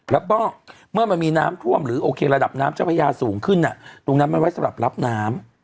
แล้วก็เมื่อมันมีน้ำท่วมหรือโอเคระดับน้ำเจ้าพระยาสูงขึ้นตรงนั้นมันไว้สำหรับรับน้ำ